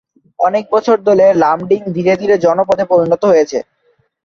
অনেক বছর ধরে লামডিং ধীরে ধীরে জনপদে পরিণত হয়েছে।